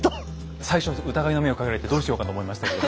最初疑いの目をかけられてどうしようかと思いましたけど。